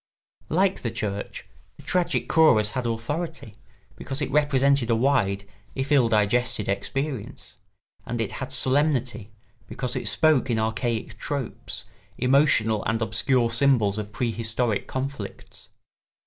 Like the church, the tragic chorus had authority, because it represented a wide, if ill digested, experience; and it had solemnity, because it spoke in archaic tropes, emotional and obscure symbols of prehistoric conflicts.